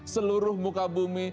seluruh buka bumi